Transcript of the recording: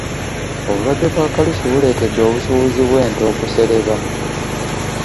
Obulwadde bwa kalusu buleetedde obusuubuzi bw’ente okusereba.